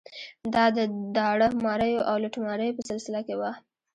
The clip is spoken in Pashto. دا د داړه ماریو او لوټماریو په سلسله کې وه.